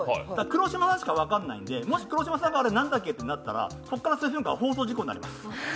黒島さんしか分からないので、もし黒島さんが何だっけ？となったらここからは放送事故になります。